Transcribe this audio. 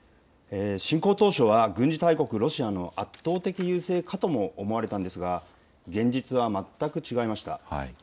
侵攻当初は軍事大国ロシアの圧倒的優勢かとも思われたんですが現実は全く違いました。